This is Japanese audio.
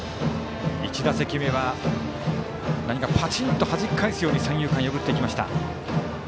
１打席目は、何かパチンとはじき返すように三遊間破っていきました。